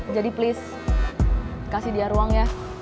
jadi please kasih dia ruang ya